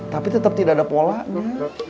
tapi tetap tidak ada polanya